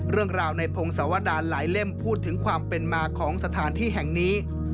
เรื่องราวในพงศวดารหลายเล่มพูดถึงความเป็นมาของสถานที่แห่งนี้